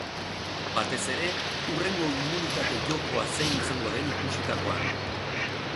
Batez ere, hurrengo immunitate jokoa zein izango den ikusitakoan.